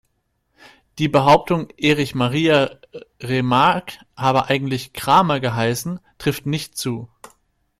Die Behauptung, Erich Maria Remarque habe eigentlich "Kramer" geheißen, trifft nicht zu.